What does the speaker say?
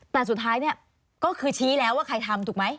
แต่สุดท้ายเนี่ยก็คือชี้แล้วว่าใครทำถูกไหม